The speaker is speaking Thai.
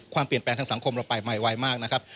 ความเปลี่ยนแปลงทางสังคมเราไปใหม่ไวมากนะครับ